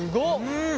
うん！